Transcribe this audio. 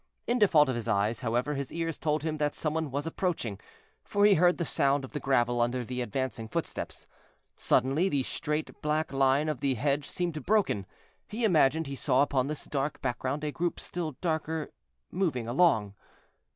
In default of his eyes, however, his ears told him that some one was approaching, for he heard the sound of the gravel under the advancing footsteps. Suddenly the straight black line of the hedge seemed broken; he imagined he saw upon this dark background a group still darker moving along.